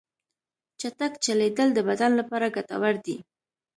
چټک چلیدل د بدن لپاره ګټور دي.